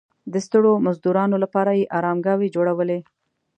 د ستړو مزدورانو لپاره یې ارامګاوې جوړولې.